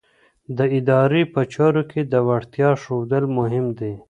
د ادارې په چارو کې د وړتیا ښودل مهم دي.